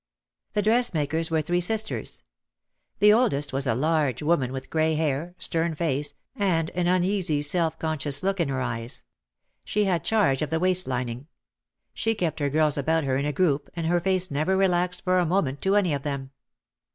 The dressmakers were three sisters. The oldest was a large woman with grey hair, stern face, and an uneasy self conscious look in her eyes. She had charge of the waist lining. She kept her girls about her in a group and her face never relaxed for a moment to any of them.